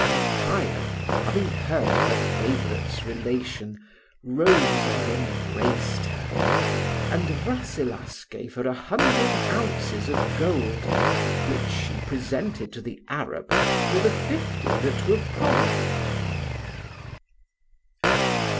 Nekayah having heard her favourite's relation, rose and embraced her, and Rasselas gave her a hundred ounces of gold, which she presented to the Arab for the fifty that were promised.